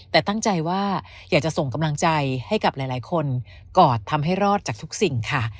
แต่ตั้งใจว่าอยากจะส่งกำลังใจให้กับหลายคนกอดทำให้รอดจากทุกสิ่งค่ะ